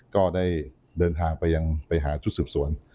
ก็ได้เดินทางไปยังไปหาชุดสืบสวน